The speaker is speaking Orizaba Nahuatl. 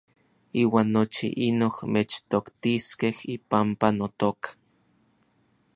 Iuan nochi inoj mechtoktiskej ipampa notoka.